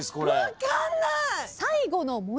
分かんない。